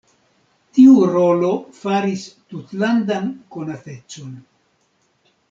Tiu rolo faris tutlandan konatecon.